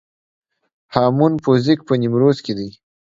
هامون پوزک په نیمروز کې دی